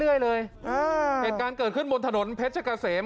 เรื่อยเลยอ่าเหตุการณ์เกิดขึ้นบนถนนเพชรกะเสม